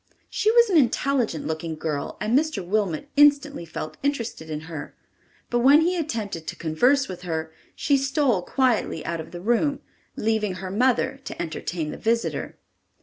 She was an intelligent looking girl, and Mr. Wilmot instantly felt interested in her, but when he attempted to converse with her, she stole quietly out of the room, leaving her mother to entertain the visitor.